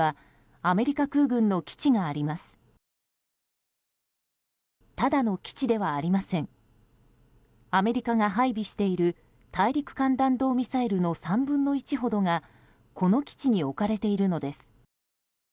アメリカが配備している大陸間弾道ミサイルの３分の１ほどがこの基地に置かれているのです。